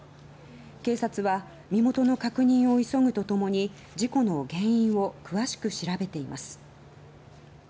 警察は身元の確認を急ぐとともに事故の原因を詳しく調べています。